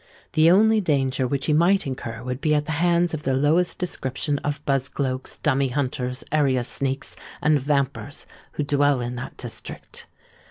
The only danger which he might incur would be at the hands of the lowest description of buzgloaks, dummy hunters, area sneaks, and vampers who dwell in that district.